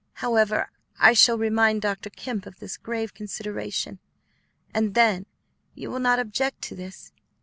However, I shall remind Dr. Kemp of this grave consideration, and then you will not object to this?"